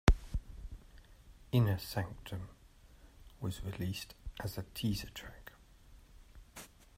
"Inner Sanctum" was released as a teaser track.